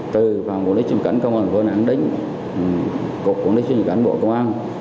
từ phòng quản lý xuất nhập cảnh công an vnđ đến cục quản lý xuất nhập cảnh bộ công an